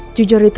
aku baru keckets